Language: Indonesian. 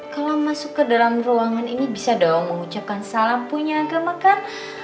kalau masuk ke dalam ruangan ini bisa dong mengucapkan salam punya agama kan